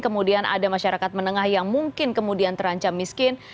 kemudian ada masyarakat menengah yang mungkin kemudian terancam miskin